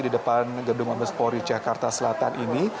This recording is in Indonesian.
di depan gedung mabespori jakarta selatan ini